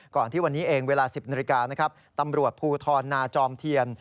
ก่อนที่วันนี้เองเวลา๑๐นาทีตำรวจภูทรนาจอมเทียน